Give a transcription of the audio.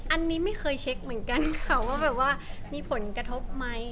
อันนี้ไม่เคยเช็คเหมือนกันค่ะว่าแบบว่ามีผลกระทบไหม